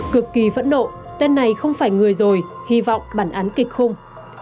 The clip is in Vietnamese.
cực kỳ phẫn nộ tên này không phải người rồi hy vọng bản án kịch không